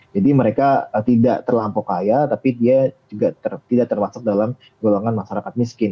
jadi mereka tidak terlampau kaya tapi dia juga tidak termasuk dalam golongan masyarakat miskin